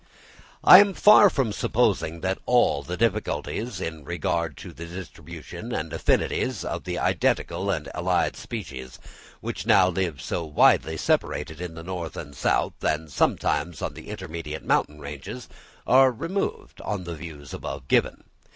I am far from supposing that all the difficulties in regard to the distribution and affinities of the identical and allied species, which now live so widely separated in the north and south, and sometimes on the intermediate mountain ranges, are removed on the views above given.